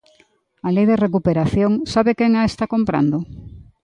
A Lei de recuperación ¿sabe quen a está comprando?